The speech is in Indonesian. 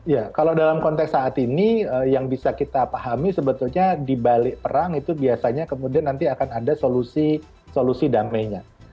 ya kalau dalam konteks saat ini yang bisa kita pahami sebetulnya dibalik perang itu biasanya kemudian nanti akan ada solusi damainya